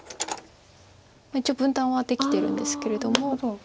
一応分断はできてるんですけれども。